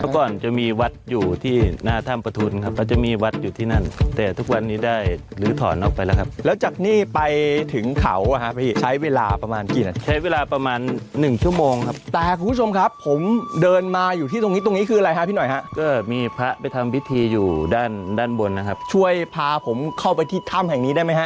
ก่อนจะมีวัดอยู่ที่หน้าถ้ำประทุนครับก็จะมีวัดอยู่ที่นั่นแต่ทุกวันนี้ได้ลื้อถอนออกไปแล้วครับแล้วจากนี้ไปถึงเขาอ่ะฮะพี่ใช้เวลาประมาณกี่นาทีใช้เวลาประมาณหนึ่งชั่วโมงครับแต่คุณผู้ชมครับผมเดินมาอยู่ที่ตรงนี้ตรงนี้คืออะไรฮะพี่หน่อยฮะก็มีพระไปทำพิธีอยู่ด้านด้านบนนะครับช่วยพาผมเข้าไปที่ถ้ำแห่งนี้ได้ไหมฮะ